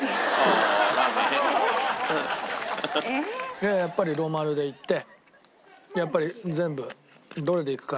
いややっぱりノーマルでいってやっぱり全部どれでいくかな？